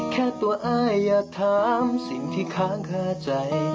แค่ตัวอ้ายอย่าถามสิ่งที่ค้างค่าใจ